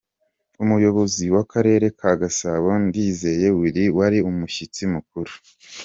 Umuyobozi w’akarere ka Gasabo Ndizeye Willy wari umushyitsi mukuru .